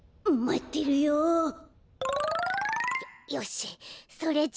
よよしそれじゃあ。